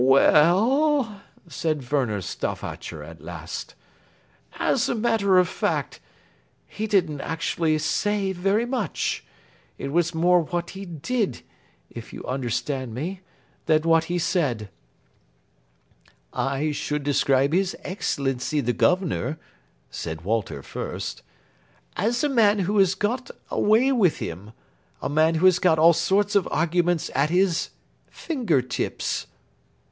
"We e ll," said Werner Stauffacher at last, "as a matter of fact, he didn't actually say very much. It was more what he did, if you understand me, than what he said." "I should describe His Excellency the Governor," said Walter Fürst, "as a man who has got a way with him a man who has got all sorts of arguments at his finger tips."